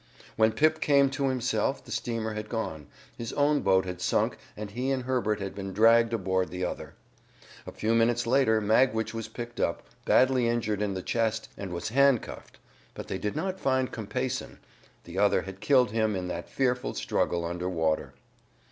When Pip came to himself the steamer had gone, his own boat had sunk and he and Herbert had been dragged aboard the other. A few minutes later Magwitch was picked up, badly injured in the chest, and was handcuffed. But they did not find Compeyson the other had killed him in that fearful struggle under water.